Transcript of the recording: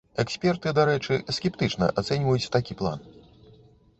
Эксперты, дарэчы, скептычна ацэньваюць такі план.